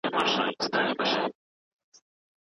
پلان د بریا لپاره یوازینۍ لاره ده.